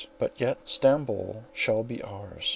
But yet Stamboul shall be ours!